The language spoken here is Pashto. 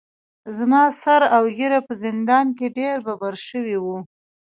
زما سر اوږېره په زندان کې ډیر ببر شوي وو.